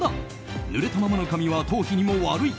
７濡れたままの髪は頭皮にも悪い